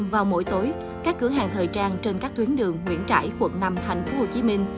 vào mỗi tối các cửa hàng thời trang trên các tuyến đường nguyễn trãi quận năm thành phố hồ chí minh